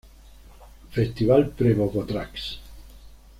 Festival Pre-Bogotrax.